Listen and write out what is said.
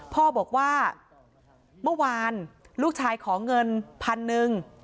พ่อบอกว่าเมื่อวานลูกชายขอเงินพันหนึ่ง